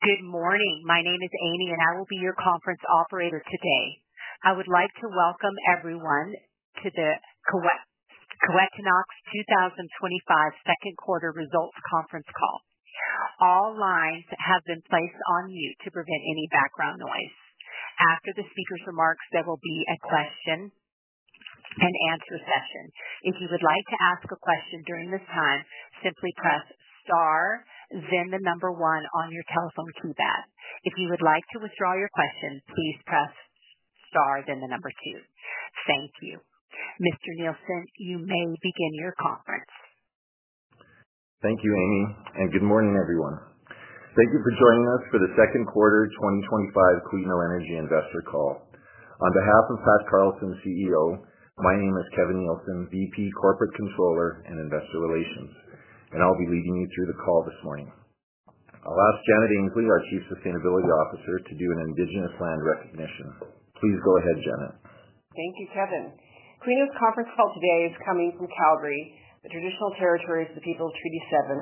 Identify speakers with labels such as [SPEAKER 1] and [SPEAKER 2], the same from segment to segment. [SPEAKER 1] Good morning. My name is Amy, and I will be your conference operator today. I would like to welcome everyone to the Kiwetinohk Energy 2025 second quarter results conference call. All lines have been placed on mute to prevent any background noise. After the speaker's remarks, there will be a question and answer session. If you would like to ask a question during this time, simply press star, then the number one on your telephone keypad. If you would like to withdraw your question, please press star, then the number two. Thank you. Mr. Nielsen, you may begin your conference.
[SPEAKER 2] Thank you, Amy, and good morning, everyone. Thank you for joining us for the second quarter 2025 Kiwetinohk Energy Investor Call. On behalf of Pat Carlson, CEO, my name is Kevin Nielsen, Vice President, Corporate Controller and Investor Relations, and I'll be leading you through the call this morning. I'll ask Janet Annesley, our Chief Sustainability Officer, to do an Indigenous Land Recognition. Please go ahead, Janet.
[SPEAKER 3] Thank you, Kevin. Kiwetinohk Energy's conference call today is coming from Calgary, the traditional territories of the people of Treaty Seven,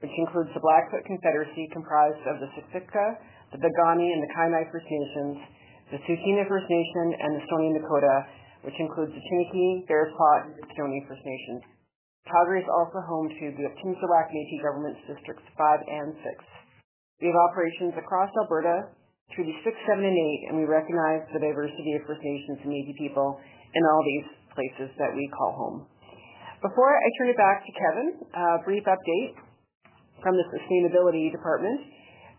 [SPEAKER 3] which includes the Blackfoot Confederacy, comprised of the Siksika, the Piikani, and the Kainai First Nations, the Tsuut'ina First Nation, and the Stoney Nakoda, which includes the Chiniki, Bearspaw, and Wesley First Nations. Calgary is also home to the Métis Nation of Alberta, Districts Five and Six. We have operations across Alberta through Districts Six, Seven, and Eight, and we recognize the diversity of First Nations and Métis people in all these places that we call home. Before I turn it back to Kevin, a brief update from the Sustainability Department.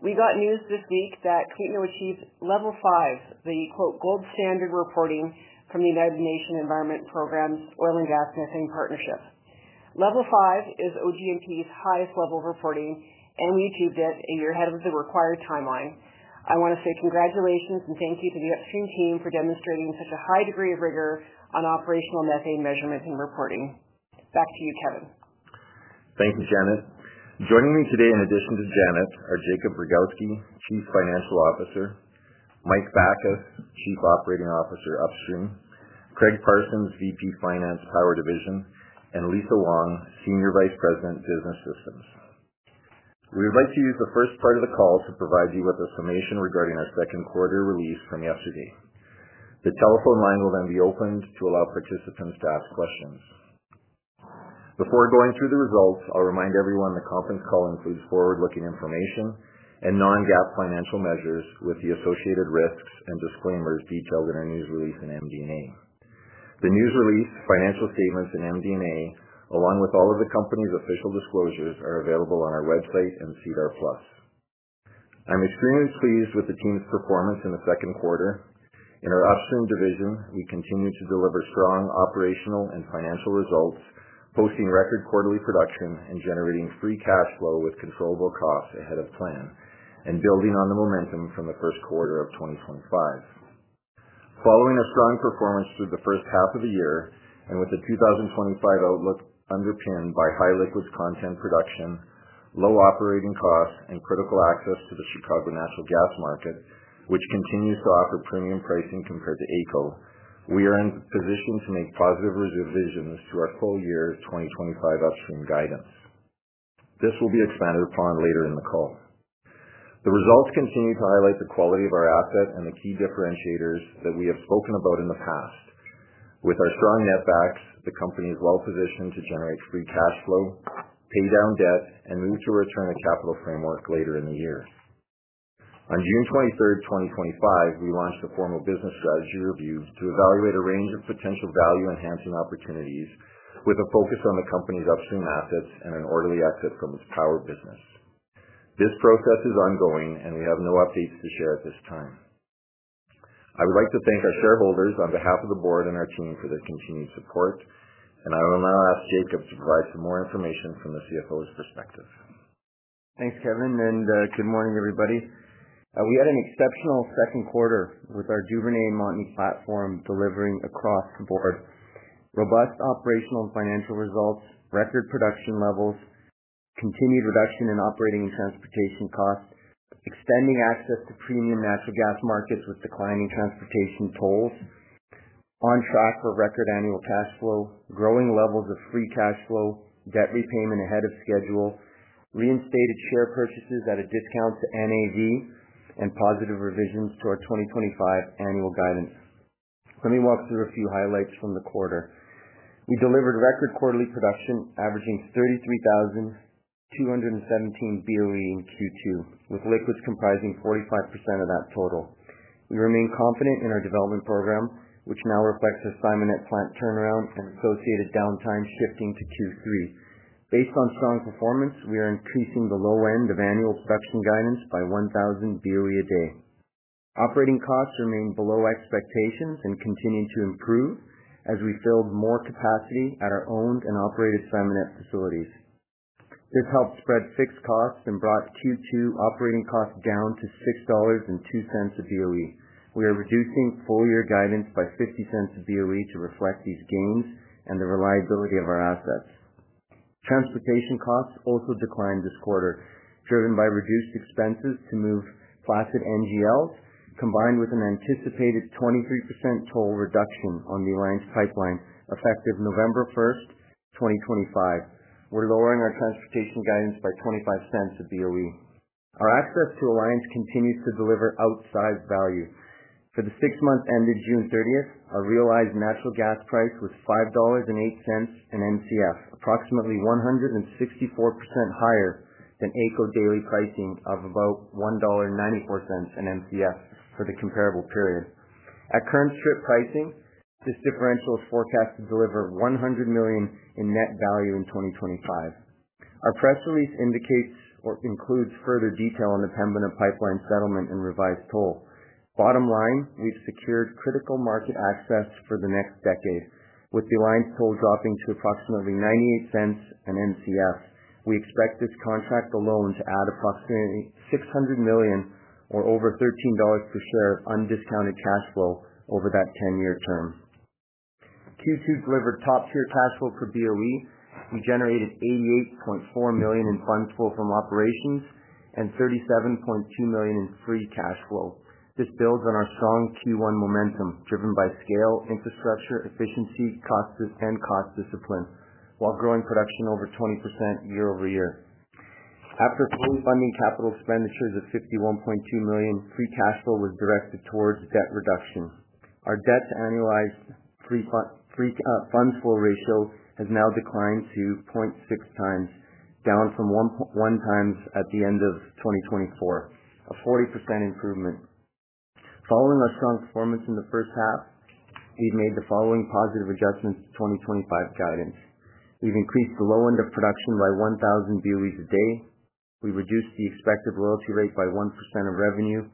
[SPEAKER 3] We got news this week that Kiwetinohk received Level Five, the "gold standard" reporting from the United Nations Environment Programme’s Oil and Gas Methane Partnership. Level Five is OGMP's highest level of reporting, achieved a year ahead of the required timeline. I want to say congratulations and thank you to the Upstream team for demonstrating such a high degree of rigor on operational methane measurement and reporting. Back to you, Kevin.
[SPEAKER 2] Thank you, Janet. Joining me today, in addition to Janet, are Jakub Brogowski, Chief Financial Officer, Mike Backus, Chief Operating Officer, Upstream, Craig Carlson, Vice President, Finance, Power Division, and Lisa Wong, Senior Vice President, Business Systems. We would like to use the first part of the call to provide you with a summation regarding our second quarter release on ESG. The telephone line will then be opened to allow participants to ask questions. Before going through the results, I'll remind everyone the conference call includes forward-looking information and non-GAAP financial measures with the associated risks and disclosures detailed in our news release and MD&A. The news release, financial statements, and MD&A, along with all of the company's official disclosures, are available on our website and SEDAR+. I'm extremely pleased with the team's performance in the second quarter. In our Upstream division, we continue to deliver strong operational and financial results, posting record quarterly production and generating free cash flow with controllable costs ahead of plan, and building on the momentum from the first quarter of 2025. Following a strong performance through the first half of the year, and with the 2025 outlook underpinned by high liquids content production, low operating costs, and critical access to the Chicago natural gas market, which continues to offer premium pricing compared to ACO, we are in a position to make positive revisions to our full year's 2025 Upstream guidance. This will be expanded upon later in the call. The results continue to highlight the quality of our asset and the key differentiators that we have spoken about in the past. With our strong netbacks, the company is well positioned to generate free cash flow, pin down debt, and move to a return on capital framework later in the year. On June 23, 2025, we launched a formal business strategy review to evaluate a range of potential value enhancement opportunities with a focus on the company's upstream assets and an orderly exit from its power business. This process is ongoing, and we have no updates to share at this time. I would like to thank our shareholders on behalf of the board and our team for their continued support, and I will now ask Jakub to provide some more information from the CFO's perspective.
[SPEAKER 4] Thanks, Kevin, and good morning, everybody. We had an exceptional second quarter with our Duvernet Mountain platform delivering across the board: robust operational and financial results, record production levels, continued reduction in operating and transportation costs, extending access to premium natural gas markets with declining transportation tolls, on track for record annual cash flow, growing levels of free cash flow, debt repayment ahead of schedule, reinstated share purchases at a discount to NAV, and positive revisions to our 2025 annual guidance. Let me walk through a few highlights from the quarter. We delivered record quarterly production, averaging 33,217 BOE in Q2, with liquids comprising 45% of that total. We remain confident in our development program, which now reflects our Simonette plant turnaround and associated downtime shifting to Q3. Based on strong performance, we are increasing the low end of annual production guidance by 1,000 BOE a day. Operating costs remain below expectations and continue to improve as we filled more capacity at our owned and operated Simonette facilities. This helped spread fixed costs and brought Q2 operating costs down to $6.02 a BOE. We are reducing full-year guidance by $0.50 a BOE to reflect these gains and the reliability of our assets. Transportation costs also declined this quarter, driven by reduced expenses to move flaccid NGLs, combined with an anticipated 23% toll reduction on the Alliance Pipeline effective November 1, 2025. We're lowering our transportation guidance by $0.25 a BOE. Our access to Alliance continues to deliver outsized value. For the six months ended June 30, our realized natural gas price was $5.08 an MCF, approximately 164% higher than ACO daily pricing of about $1.94 an MCF for the comparable period. At current strip pricing, this differential is forecast to deliver $100 million in net value in 2025. Our press release includes further detail on the pending pipeline settlement and revised toll. Bottom line, we've secured critical market access for the next decade, with the Alliance toll dropping to approximately $0.98 an MCF. We expect this contract alone to add approximately $600 million or over $13 per share of undiscounted cash flow over that 10-year term. Q2 delivered top-tier cash flow per BOE. We generated $88.4 million in funds flow from operations and $37.2 million in free cash flow. This builds on our strong Q1 momentum, driven by scale, infrastructure, efficiency, and cost discipline, while growing production over 20% year over year. After full funding capital expenditures of $51.2 million, free cash flow was directed towards debt reduction. Our debt to annualized free funds flow ratio has now declined to 0.6 times, down from 1.1 times at the end of 2024, a 40% improvement. Following our strong performance in the first half, we've made the following positive adjustments to 2025 guidance. We've increased the low end of production by 1,000 BOE a day. We reduced the expected royalty rate by 1% of revenue.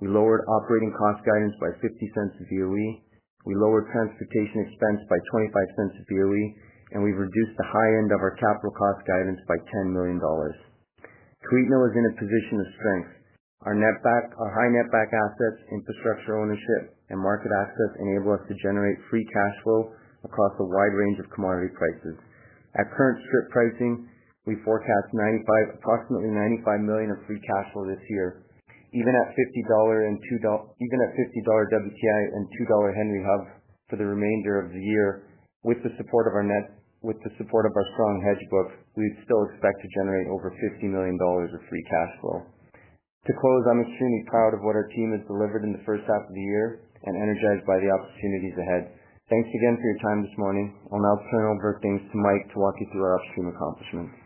[SPEAKER 4] We lowered operating cost guidance by $0.50 a BOE. We lowered transportation expense by $0.25 a BOE, and we've reduced the high end of our capital cost guidance by $10 million. Kiwetinohk Energy is in a position of strength. Our high netback asset, infrastructure ownership, and market access enable us to generate free cash flow across a wide range of commodity prices. At current strip pricing, we forecast approximately $95 million of free cash flow this year. Even at $50 WTI and $2 Henry Hub for the remainder of the year, with the support of our strong hedge book, we would still expect to generate over $50 million of free cash flow. To close, I'm extremely proud of what our team has delivered in the first half of the year and energized by the opportunities ahead. Thanks again for your time this morning. I'll now turn over things to Mike to walk you through our Upstream accomplishments.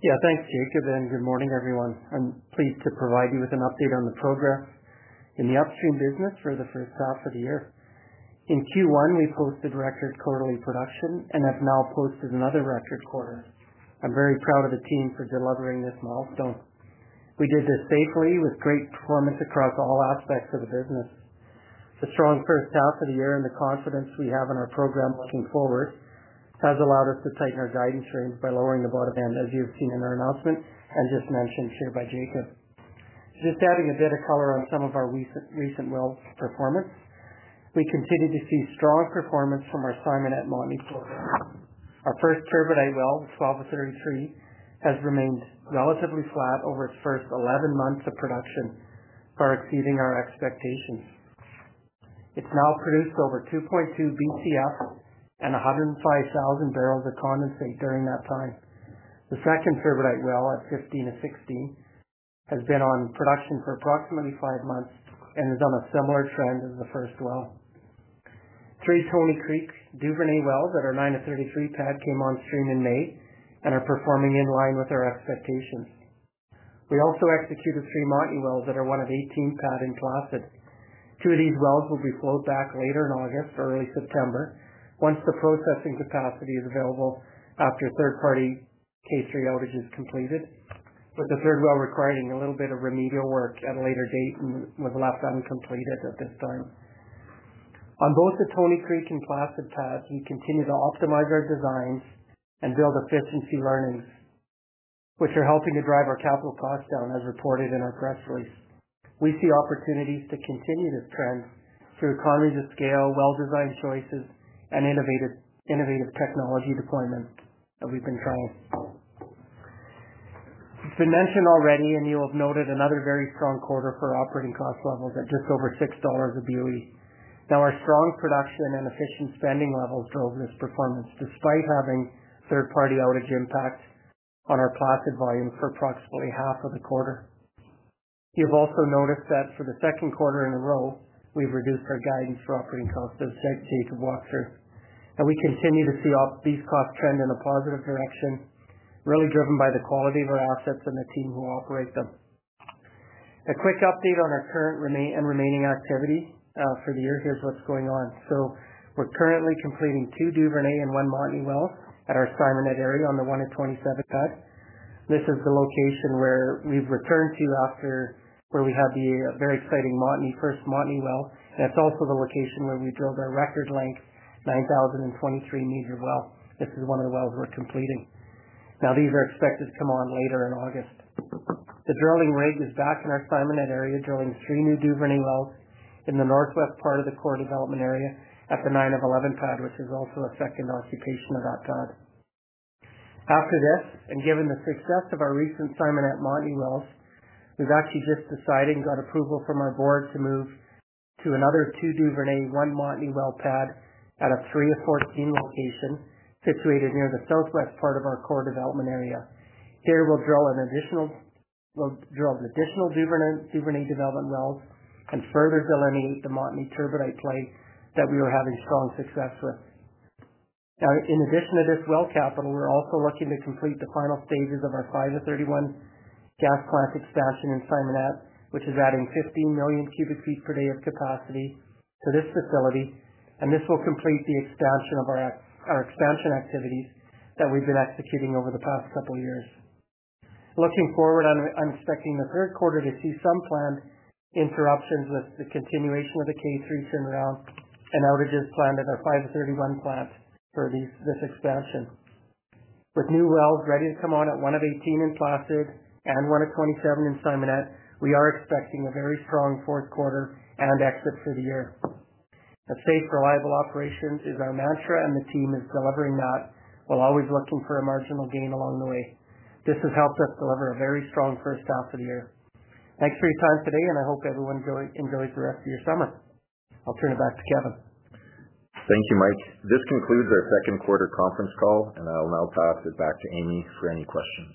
[SPEAKER 5] Yeah, thanks, Jakub, and good morning, everyone. I'm pleased to provide you with an update on the progress in the Upstream business for the first half of the year. In Q1, we posted record quarterly production and have now posted another record quarter. I'm very proud of the team for delivering this milestone. We did this safely with great performance across all aspects of the business. The strong first half of the year and the confidence we have in our program looking forward has allowed us to tighten our guidance strings by lowering the bottom end, as you've seen in our announcement and just mentioned here by Jakub. Just adding a bit of color on some of our recent wells' performance, we continue to see strong performance from our Simonette Mountain filter. Our first turbidite well, the 1233, has remained relatively flat over its first 11 months of production, far exceeding our expectations. It's now produced over 2.2 BCF and 105,000 bbl of condensate during that time. The second turbidite well, at 1516, has been on production for approximately five months and is on a similar trend as the first well. Three Toney Creek Duvernay wells at our 933 pad came on stream in May and are performing in line with our expectations. We also executed three Mountain wells that are on the 18 pad in Placid. Two of these wells will be flowed back later in August or late September once the processing capacity is available after third-party K3 outages are completed, with the third well requiring a little bit of remedial work at a later date and was left uncompleted at this time. On both the Toney Creek and Placid pad, we continue to optimize our designs and build efficiency learnings, which are helping to drive our capital costs down, as reported in our press release. We see opportunities to continue this trend through economies of scale, well design choices, and innovative technology deployment that we've been trying. It's been mentioned already, and you have noted another very strong quarter for operating cost levels at just over $6 a BOE. Now, our strong production and efficient spending levels drove this performance despite having third-party outage impacts on our Placid volume for approximately half of the quarter. You've also noticed that for the second quarter in a row, we've reduced our guidance for operating costs, as Jakub walked through. We continue to see these costs trend in a positive direction, really driven by the quality of our assets and the team who operate them. A quick update on our current and remaining activity for the year: here is what's going on. We're currently completing two Duvernay and one Mountain well at our Simonette area on the 127 pad. This is the location where we've returned to after we had a very exciting first Mountain well, and it's also the location where we drilled our record-length 9,023 m well. This is one of the wells we're completing now. These are expected to come on later in August. The drilling rig is back in our Simonette area, drilling three new Duvernay wells in the northwest part of the core development area at the 911 pad, which is also a second occupation of that pad. After this, and given the success of our recent Simonette Mountain wells, we've actually just decided and got approval from our board to move to another two Duvernay and one Mountain well pad at a 314 location situated near the southwest part of our core development area. Here we'll drill an additional Duvernay development well and further delineate the Mountain turbidite play that we are having strong success with. In addition to this well capital, we're also looking to complete the final stages of our 531 gas Placid expansion in Simonette, which is adding 15 million cu ft per day of capacity for this facility, and this will complete the expansion activities that we've been executing over the past couple of years. Looking forward, I'm expecting the third quarter to see some planned interruptions with the continuation of the K3 syndrome and outages planned at our 531 plant for this expansion. With new wells ready to come on at 118 in Placid and 127 in Simonette, we are expecting a very strong fourth quarter and exit for the year. Safe, reliable operations is our mantra, and the team is delivering that while always looking for a marginal gain along the way. This has helped us deliver a very strong first half of the year. Thanks for your time today, and I hope everyone enjoys the rest of your summer. I'll turn it back to Kevin.
[SPEAKER 2] Thank you, Mike. This concludes our second quarter conference call, and I'll now pass it back to Amy for any questions.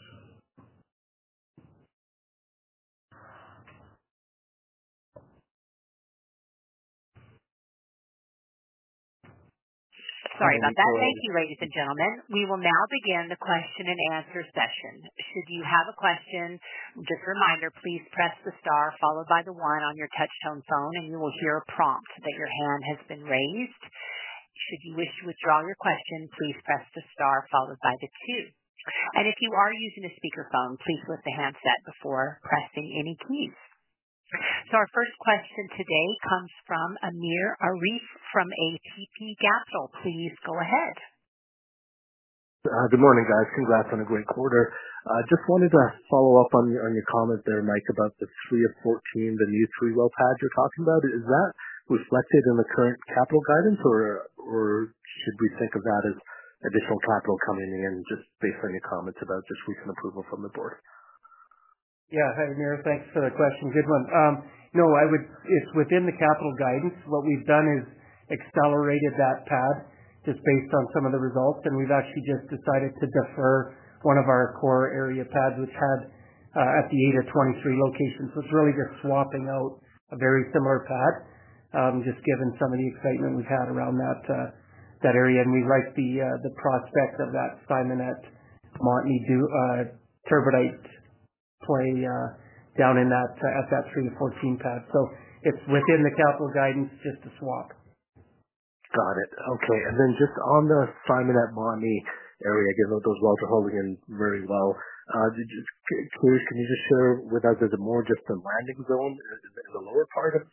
[SPEAKER 1] Sorry about that. Thank you, ladies and gentlemen. We will now begin the question and answer session. Should you have a question, just a reminder, please press the star followed by the one on your touchtone phone, and you will hear a prompt that your hand has been raised. Should you wish to withdraw your question, please press the star followed by the Q. If you are using a speakerphone, please flip the handset before pressing any Qs. Our first question today comes from Amir Arif from ATB Capital. Please go ahead.
[SPEAKER 6] Good morning, guys. Congrats on a great quarter. I just wanted to follow up on your comment there, Mike, about the 314, the new three-well pad you're talking about. Is that reflected in the current capital guidance, or should we think of that as additional capital coming in just based on your comments about just recent approval from the board?
[SPEAKER 5] Yeah. Hi, Amir. Thanks for the question. Good one. No, I would, within the capital guidance, what we've done is accelerated that pad just based on some of the results, and we've actually just decided to defer one of our core area pads, which had at the 8 or 23 locations, was really just swapping out a very similar pad, just given some of the excitement we've had around that area. We like the prospect of that Simonette Mountain turbidite play, down in that FF314 pad. It's within the capital guidance, just a swap.
[SPEAKER 6] Got it. Okay. On the Simonette Mountain area, I guess that goes well to Holigan Marine Well. Did you see who was the music show with us? Is it more just a landing zone in the lower part of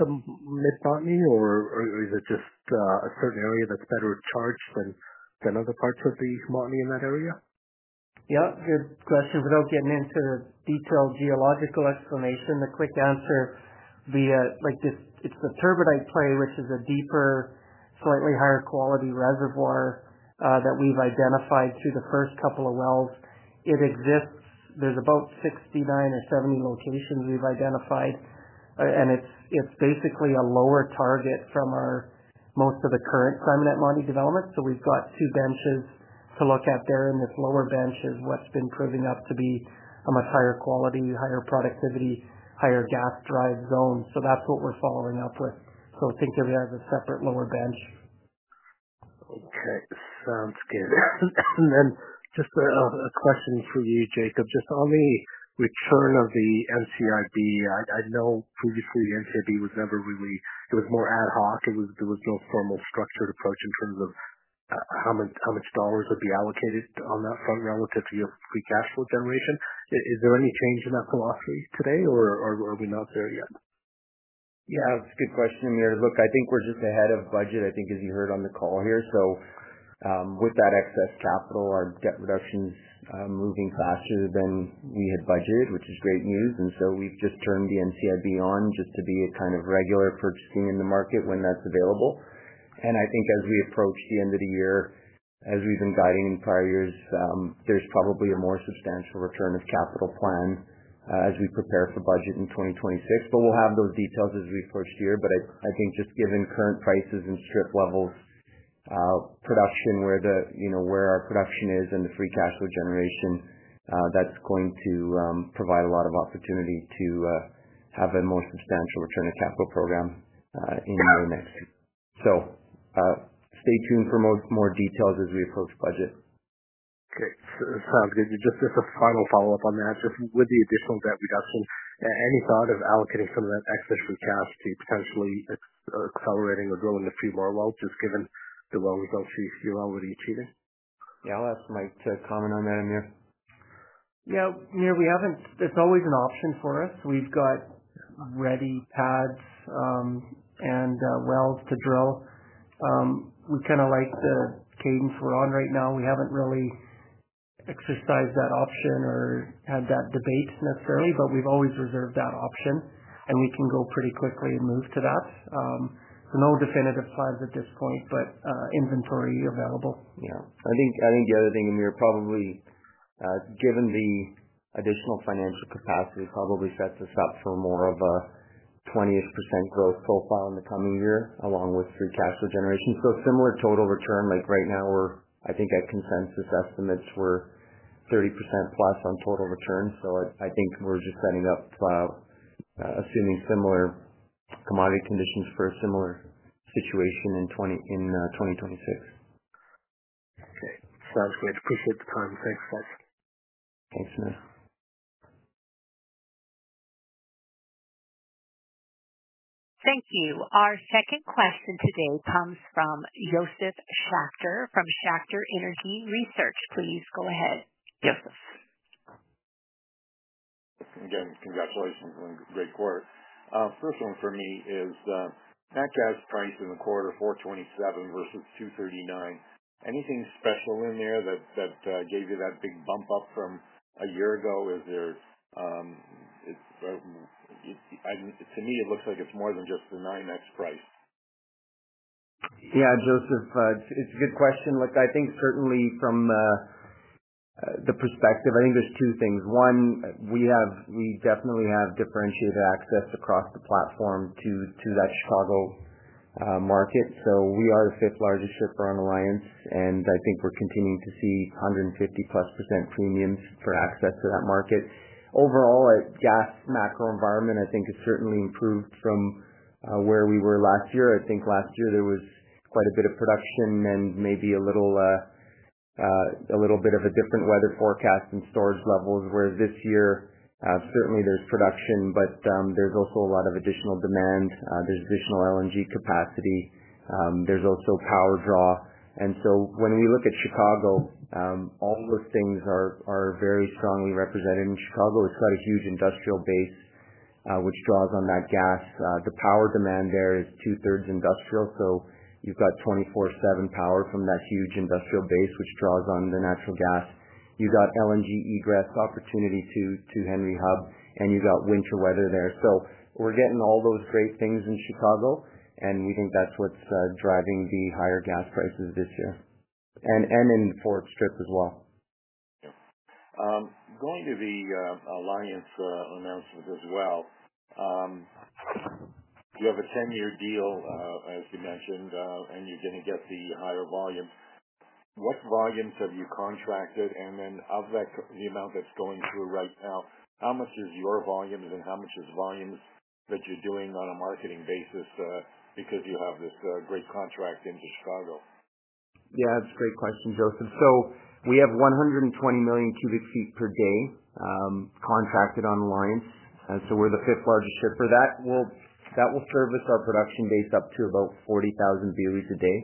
[SPEAKER 6] Simonette Mountain, or is it just a certain area that's better charged than other parts of the mountain in that area?
[SPEAKER 5] Yeah. Good question. Without getting into the detailed geological explanation, the quick answer would be like this. It's the turbidite play, which is a deeper, slightly higher quality reservoir that we've identified through the first couple of wells. It exists. There's about 69 or 70 locations we've identified, and it's basically a lower target from most of the current Simonette Mountain development. We've got two benches to look at there, and this lower bench is what's been proving up to be a much higher quality, higher productivity, higher gas drive zone. That's what we're following up with. I think that we have a separate lower bench.
[SPEAKER 6] Okay. Sounds good. Just a question for you, Jakub. On the return of the NCIB, I know previously the NCIB was never really, it was more ad hoc. There was no formal structured approach in terms of how much dollars would be allocated on that front relative to your free cash flow generation. Is there any change in that philosophy today, or are we not there yet?
[SPEAKER 4] Yeah, it's a good question, Amir. Look, I think we're just ahead of budget, I think, as you heard on the call here. With that excess capital, our debt reduction is moving faster than we had budgeted, which is great news. We've just turned the NCIB on just to do a kind of regular purchasing in the market when that's available. I think as we approach the end of the year, as we've been guiding in prior years, there's probably a more substantial return of capital planned, as we prepare for budget in 2026. We'll have those details as we approach the year. I think just given current prices and ship levels, production where our production is and the free cash flow generation, that's going to provide a lot of opportunity to have a more substantial return of capital program in the next year. Stay tuned for more details as we approach budget.
[SPEAKER 6] Okay. I'll give you just as a final follow-up on that. With the additional debt reduction, any thought of allocating some of that excess free cash to potentially accelerating or growing the three more wells, just given the well results you're already achieving?
[SPEAKER 4] Yeah, I'll ask Mike to comment on that, Amir.
[SPEAKER 5] Yeah, Amir, we haven't. That's always an option for us. We've got ready pads and wells to drill. We kind of like the cadence we're on right now. We haven't really exercised that option or had that debate necessarily, but we've always reserved that option, and we can go pretty quickly and move to that. No definitive plans at this point, but inventory available.
[SPEAKER 4] I think the other thing, Amir, given the additional financial capacity, probably sets us up for more of a 20% growth profile in the coming year, along with free cash flow generation. Similar total return, like right now we're, I think, at consensus estimates we're 30%+ on total return. I think we're just setting up, assuming similar commodity conditions, for a similar situation in 2026.
[SPEAKER 6] Sounds good. Takes a look at the time.
[SPEAKER 1] Thank you. Our second question today comes from Joseph Schlachter from Schlachter Energy Research. Please go ahead.
[SPEAKER 5] Joseph.
[SPEAKER 7] Thanks, Amir. I'm going to go ahead and go to Greg Kohr. The first one for me is, ACO prices in Q4 $2.47 versus $2.39. Anything special in there that gave you that big bump up from a year ago? To me, it looks like it's more than just the NYMEX price.
[SPEAKER 4] Yeah, Joseph, it's a good question. Look, I think certainly from the perspective, I think there's two things. One, we definitely have differentiated access across the platform to that Chicago market. We are the fifth largest shipper on Alliance Pipeline, and I think we're continuing to see 150+% premiums for access to that market. Overall, a gas macro environment, I think, has certainly improved from where we were last year. Last year there was quite a bit of production and maybe a little bit of a different weather forecast and storage levels, whereas this year, certainly there's production, but there's also a lot of additional demand. There's additional LNG capacity. There's also power draw. When we look at Chicago, all those things are very strongly represented. In Chicago, it's got a huge industrial base, which draws on that gas. The power demand there is two-thirds industrial. You've got 24/7 power from that huge industrial base, which draws on the natural gas. You've got LNG egress opportunity to Henry Hub, and you've got winter weather there. We're getting all those great things in Chicago, and we think that's what's driving the higher gas prices this year and in the forward strip as well.
[SPEAKER 7] Going to the Alliance Pipeline announcement as well, you have a chrome year deal, as you mentioned, and you're going to get the higher volume. What volumes have you contracted? Of that amount that's going through right now, how much is your volume, and how much is the volume that you're doing on a marketing basis because you have this great contract in Chicago?
[SPEAKER 4] Yeah, that's a great question, Joseph. We have 120 million cu ft per day contracted online. We're the fifth largest shipper that will service our production dates up to about 40,000 BOEs a day.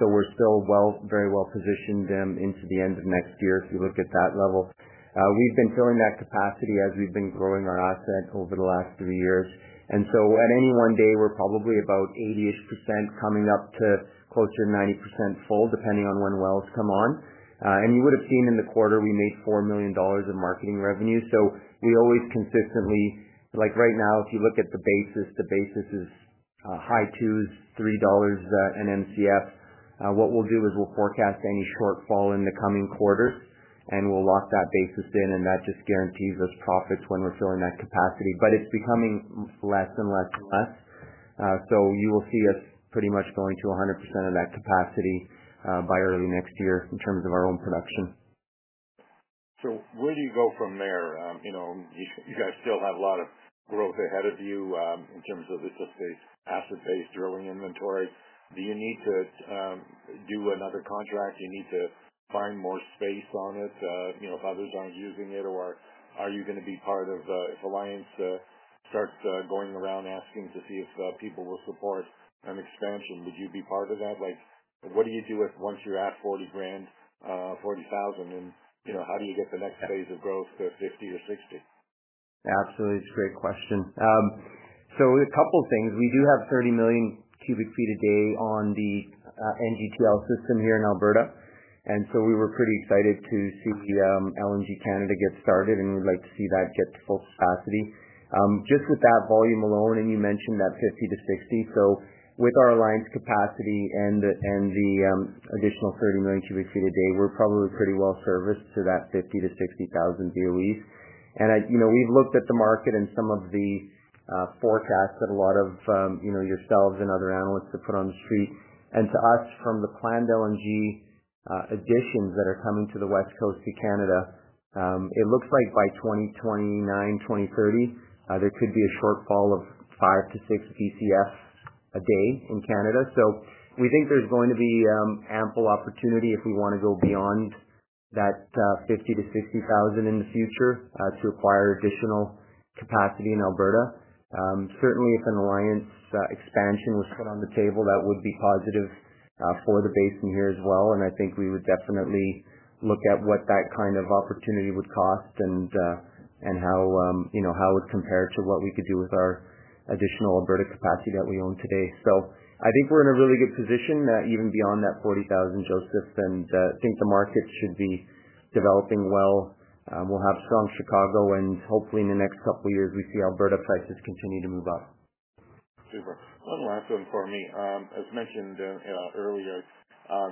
[SPEAKER 4] We're still very well positioned into the end of next year if we look at that level. We've been filling that capacity as we've been growing our asset over the last three years. At any one day, we're probably about 80% coming up to closer to 90% full, depending on when wells come on. You would have seen in the quarter we made $4 million of marketing revenue. We always consistently, like right now, if you look at the basis, the basis is high 2s, $3 an MCF. What we'll do is we'll forecast any shortfall in the coming quarter, and we'll lock that basis in, and that just guarantees us profits when we're filling that capacity. It's becoming less and less and less. You will see us pretty much going to 100% of that capacity by early next year in terms of our own production.
[SPEAKER 7] Where do you go from there? You guys still have a lot of growth ahead of you in terms of the asset-based drilling inventory. Do you need to do another contract? Do you need to find more space on it? How about using it, or are you going to be part of, if Alliance Pipeline starts going around asking to see if people will support an expansion? Would you be part of that? What do you do once you're at $40,000, and how do you get the next phase of growth to $50,000 to $60,000?
[SPEAKER 4] Yeah, absolutely. It's a great question. A couple of things. We do have 30 million cu ft a day on the NDTL system here in Alberta. We were pretty excited to see LNG Canada get started, and we'd like to see that get to full capacity. Just with that volume alone, and you mentioned that 50,000-60,000 BOEs. With our Alliance Pipeline capacity and the additional 30 million cu ft a day, we're probably pretty well serviced to that 50,000 to 60,000 BOEs. We've looked at the market and some of the forecasts that a lot of yourselves and other analysts have put on the street. To us, from the planned LNG additions that are coming to the West Coast of Canada, it looks like by 2029, 2030, there could be a shortfall of 5 to 6 BCF a day in Canada. We think there's going to be ample opportunity if we want to go beyond that 50,000-60,000 BOEs in the future to acquire additional capacity in Alberta. Certainly, if an Alliance Pipeline expansion was put on the table, that would be positive for the basin here as well. I think we would definitely look at what that kind of opportunity would cost and how it would compare to what we could do with our additional Alberta capacity that we own today. I think we're in a really good position, even beyond that 40,000, Joseph, and I think the market should be developing well. We'll have strong Chicago, and hopefully, in the next couple of years, we see Alberta prices continue to move up.
[SPEAKER 7] Super. One last one, Courtney. As mentioned earlier,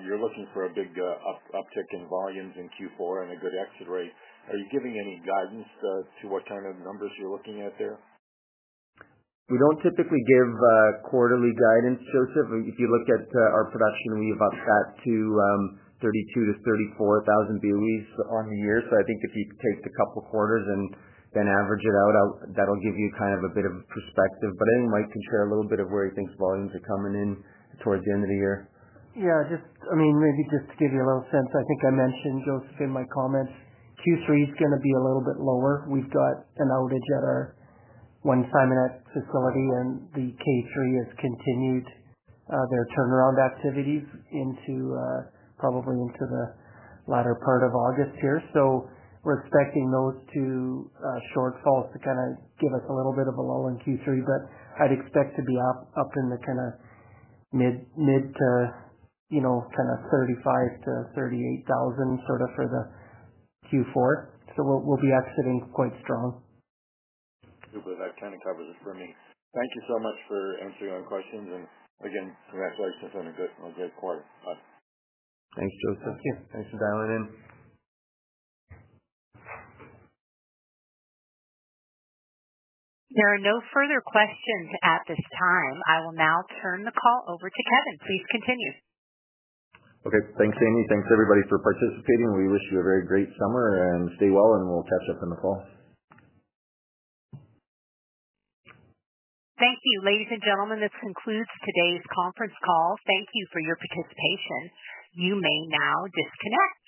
[SPEAKER 7] you're looking for a big uptick in volumes in Q4 and a good exit rate. Are you giving any guidance to what kind of numbers you're looking at there?
[SPEAKER 4] We don't typically give quarterly guidance, Joseph. If you look at our production, we've upset to 32,000-34,000 BOEs on the year. I think if you take a couple of quarters and then average it out, that'll give you kind of a bit of a perspective. I think Mike can share a little bit of where he thinks volumes are coming in towards the end of the year.
[SPEAKER 5] Yeah, maybe just to give you a little sense, I think I mentioned, Joseph, in my comments, Q3 is going to be a little bit lower. We've got an outage at our one Simonette facility, and the K3 has continued their turnaround activities probably into the latter part of August here. We're expecting those two shortfalls to kind of give us a little bit of a lull in Q3, but I'd expect to be up in the kind of mid to, you know, kind of 35,000-38,000 sort of for Q4. We'll be exiting quite strong.
[SPEAKER 7] Super. That kind of covers it for me. Thank you so much for answering our questions. Some of that question sounded good. I'll get a quarter of.
[SPEAKER 4] Thanks, Joseph. Yeah, thanks for dialing in.
[SPEAKER 1] There are no further questions at this time. I will now turn the call over to Kevin. Please continue.
[SPEAKER 2] Okay. Thanks, Amy. Thanks, everybody, for participating. We wish you a very great summer and stay well. We'll catch up in the call.
[SPEAKER 1] Thank you, ladies and gentlemen. This concludes today's conference call. Thank you for your participation. You may now disconnect.